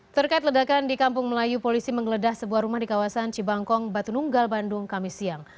terkait ledakan di kampung melayu polisi menggeledah sebuah rumah di kawasan cibangkong batu nunggal bandung kamis siang